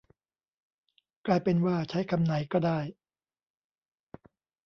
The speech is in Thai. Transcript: กลายเป็นว่า ใช้คำไหนก็ได้